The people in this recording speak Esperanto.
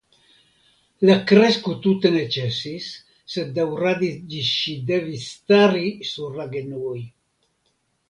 La kresko tute ne ĉesis, sed daŭradis ĝis ŝi devis stari sur la genuoj.